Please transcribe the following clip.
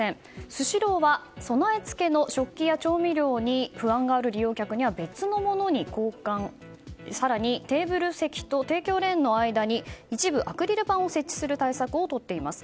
スシローは備え付けの食器や調味料に不安がある客には別のものに交換、更にテーブル席と提供レーンの間に一部、アクリル板を設置する対策をとっています。